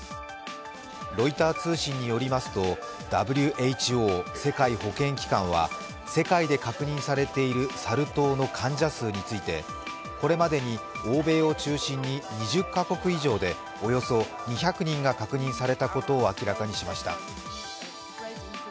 ロイター通信によりますと、ＷＨＯ＝世界保健機関は、世界で確認されているサル痘の患者数について、これまでに欧米を中心に２０カ国以上でおよそ２００人が確認されたことを明らかにしました。